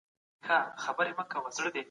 تخیل یوازې پیل دی.